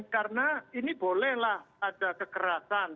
karena ini bolehlah ada kekerasan